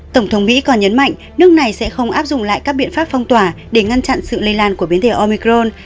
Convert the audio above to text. tổng thống mỹ còn nhấn mạnh nước này sẽ không áp dụng lại các biện pháp phong tỏa để ngăn chặn sự lây lan của biến thể omicron